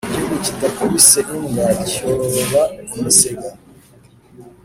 Igihugu kidakubise imbwa cyorora imisega